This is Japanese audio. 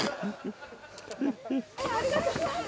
ありがとうございます。